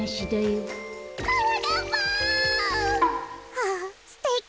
あぁすてき！